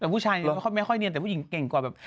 แต่ผู้ชายยังไม่ค่อยเรียนแต่ผู้หญิงเก่งกว่าแบบ